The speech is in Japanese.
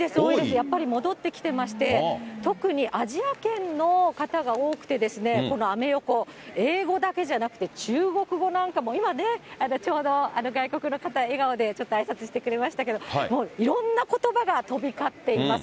やっぱり戻ってきてまして、特にアジア圏の方が多くて、このアメ横、英語だけじゃなくて、中国語なんかも、今ね、ちょうど外国の方、笑顔でちょっとあいさつしてくれましたけれども、もういろんなことばが飛び交っています。